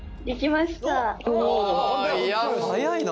早いな。